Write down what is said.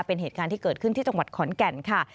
เป็นเหตุการณ์ที่เกิดขึ้นที่จังหวัดขอนแก่นค่ะ